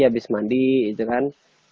habis mandi itu kan